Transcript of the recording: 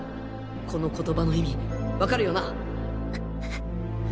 この言葉の意味わかるよな？